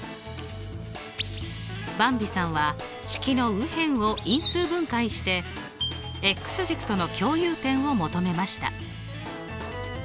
ばんびさんは式の右辺を因数分解して軸との共有点を求めました。